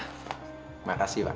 terima kasih pak